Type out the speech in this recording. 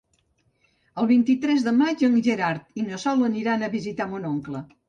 El vint-i-tres de maig en Gerard i na Sol aniran a visitar mon oncle.